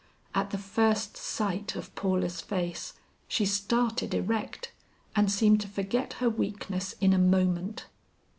At the first sight of Paula's face, she started erect and seem to forget her weakness in a moment.